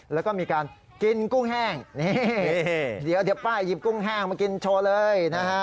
แล้วก็มีการกินกุ้งแห้งนี่เดี๋ยวป้าหยิบกุ้งแห้งมากินโชว์เลยนะฮะ